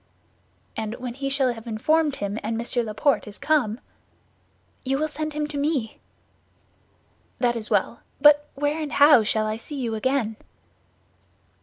"And when he shall have informed him, and Monsieur Laporte is come?" "You will send him to me." "That is well; but where and how shall I see you again?"